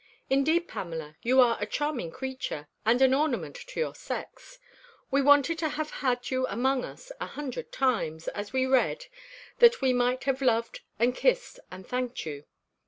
Indeed, Pamela, you are a charming creature, and an ornament to your sex. We wanted to have had you among us a hundred times, as we read, that we might have loved, and kissed, and thanked you.